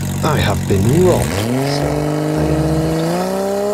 I have been robbed, sir, I amended.